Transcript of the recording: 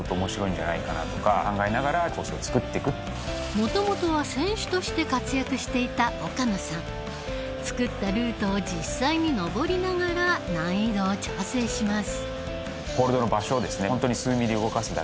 元々は選手として活躍していた岡野さん作ったルートを実際に登りながら難易度を調整します